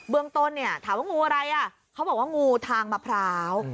เมืองต้นเนี่ยถามว่างูอะไรอ่ะเขาบอกว่างูทางมะพร้าว